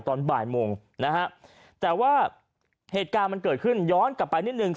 ตอนบ่ายโมงนะฮะแต่ว่าเหตุการณ์มันเกิดขึ้นย้อนกลับไปนิดนึง